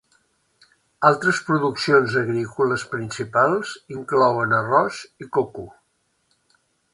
Altres produccions agrícoles principals inclouen arròs i coco.